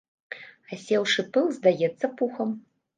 Асеўшы пыл здаецца пухам.